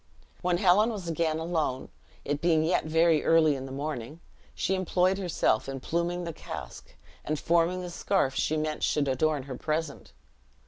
When Helen was again alone, it being yet very early in the morning, she employed herself in pluming the casque, and forming the scarf she meant should adorn her present.